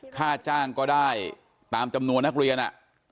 ค่าจ้างก็ได้ตามจำนวนนักเรียน